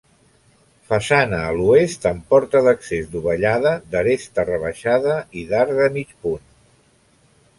Façana a l'oest amb porta d'accés dovellada d'aresta rebaixada i d'arc de mig punt.